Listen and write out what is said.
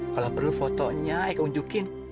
kalau perlu fotonya eka nunjukin